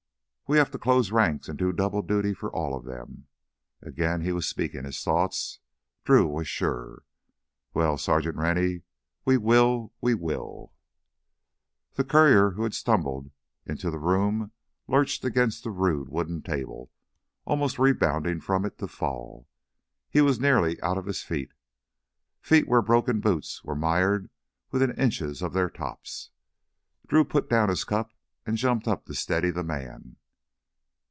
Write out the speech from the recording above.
We have to close ranks and do double duty for all of them." Again he was speaking his thoughts, Drew was sure. "Well, Sergeant Rennie, we will, we will!" The courier who stumbled into the room, lurched against the rude wooden table, almost rebounding from it to fall. He was nearly out on his feet, feet where broken boots were mired within inches of their tops. Drew put down his cup and jumped up to steady the man.